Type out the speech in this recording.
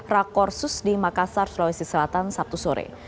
rakorsus di makassar sulawesi selatan sabtu sore